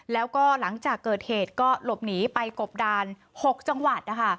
แล้วก็หลังจากเกิดเหตุก็หลบหนีไปกบดาน๖จังหวัดนะคะ